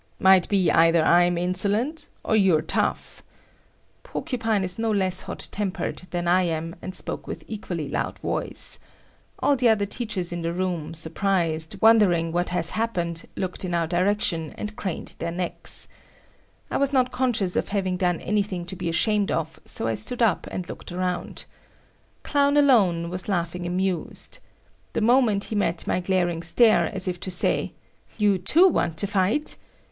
"Might be either I'm insolent or you're tough." Porcupine is no less hot tempered than I am, and spoke with equally loud voice. All the other teachers in the room, surprised, wondering what has happened, looked in our direction and craned their necks. I was not conscious of having done anything to be ashamed of, so I stood up and looked around. Clown alone was laughing amused. The moment he met my glaring stare as if to say "You too want to fight?"